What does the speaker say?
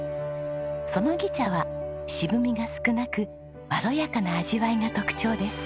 そのぎ茶は渋みが少なくまろやかな味わいが特徴です。